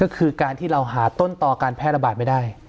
ก็คือการที่เราหาต้นต่อการแพร่ระบาดไม่ได้